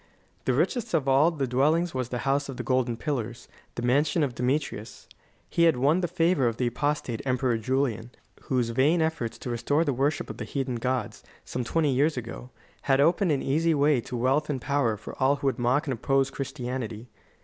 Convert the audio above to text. The richest of all the dwellings was the House of the Golden Pillars, the mansion of Demetrius. He had won the favor of the apostate Emperor Julian, whose vain efforts to restore the worship of the heathen gods, some twenty years ago, had opened an easy way to wealth and power for all who would mock and oppose Christianity.